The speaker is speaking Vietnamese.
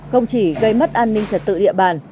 không chỉ gây mất an ninh trật tự địa bàn